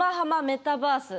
メタバース